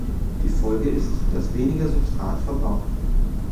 Die Folge ist, dass weniger Substrat verbraucht wird.